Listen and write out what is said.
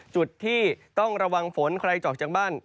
จุดที่ต้องระวังฝนใครจะออกจากบ้าน